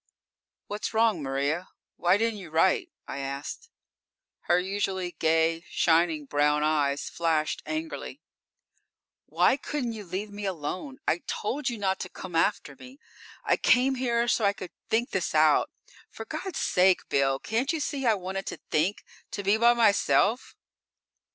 "What's wrong, Maria? Why didn't you write?" I asked. Her usually gay, shining brown eyes flashed angrily. "Why couldn't you leave me alone? I told you not to come after me. I came here so I could think this out. For God's sake, Bill, can't you see I wanted to think? To be by myself?"